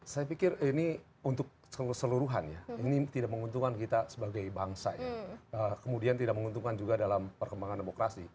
saya pikir ini untuk keseluruhan ya ini tidak menguntungkan kita sebagai bangsa ya kemudian tidak menguntungkan juga dalam perkembangan demokrasi